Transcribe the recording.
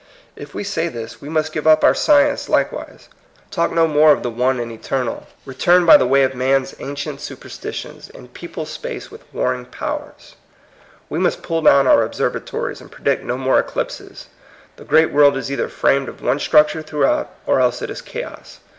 If we say this, we must give up our science TEE LAW OF COST. 99 likewise, talk no more of the One and Eter nal, return by the way of man's ancient superstitions, and people space with war ring powers. We must pull down our observatories, and predict no more eclipses. The great world is either framed of one structure throughout, or else it is chaos.